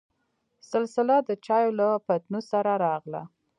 سلسله دچايو له پتنوس سره راغله.